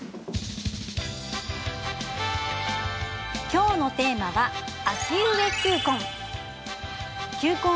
今日のテーマは秋植え球根。